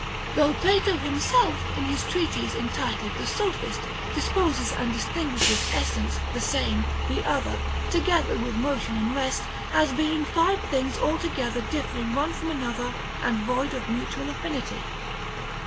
Though Plato himself, in his treatise entitled the Sophist, disposes and distinguishes Essence, the Same, the Other, together with Motion and Rest, as being five things altogether differing one from another and void of mutual affinity.